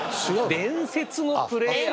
伝説のプレーヤー。